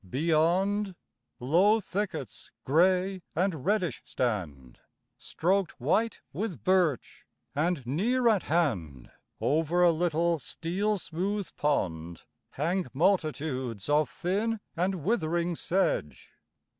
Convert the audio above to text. Beyond, Low thickets gray and reddish stand, Stroked white with birch; and near at hand, Over a little steel smooth pond, Hang multitudes of thin and withering sedge.